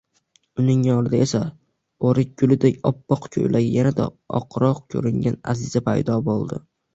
uning yonida esa oʼrik gulidek oppoq koʼylagi yanada oqroq koʼringan Аziza paydo boʼldi.